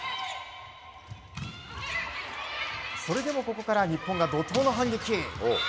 それでもここから日本が怒涛の反撃。